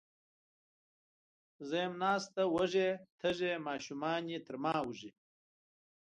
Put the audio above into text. زه یم ناسته وږې، تږې، ماشومانې تر ما وږي